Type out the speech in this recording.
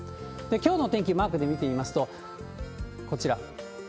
きょうのお天気、マークで見ていきますと、こちら。